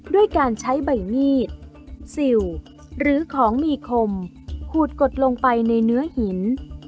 ด้วยการใช้ใบมีดสิวหรือของมีคมขูดกดลงไปในเนื้อหิน